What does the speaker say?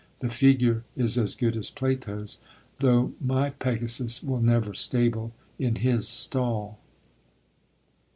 The figure is as good as Plato's though my Pegasus will never stable in his stall.